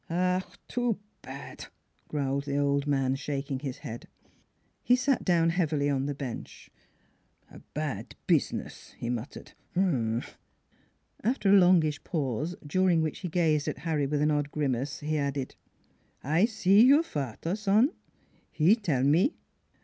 " Ach ! too pad," growled the old man, shaking his head. He sat down heavily on the bench. " A pad pizniz," he muttered. " Hr rumph !" After a longish pause, during which he gazed at Harry with an odd grimace, he added: " I see your vater, son. He tell me."